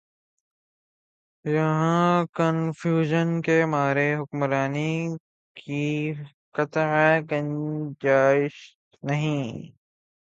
یہاں کنفیوژن کی ماری حکمرانی کی قطعا گنجائش نہیں۔